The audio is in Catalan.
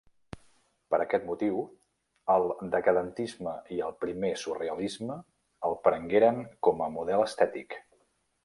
Per aquest motiu, el decadentisme i el primer surrealisme el prengueren com a model estètic.